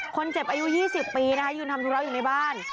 คนเจ็บอายุ๒๐ปีนะคะยืนทำธุระอยู่ในบ้าน